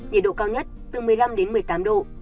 nhiệt độ cao nhất từ một mươi năm đến một mươi tám độ